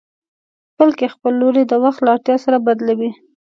بلکې خپل لوری د وخت له اړتيا سره بدلوي.